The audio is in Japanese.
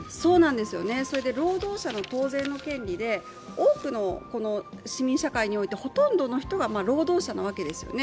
労働者の当然の権利で、多くの市民社会においてほとんどの人が労働者なわけですよね。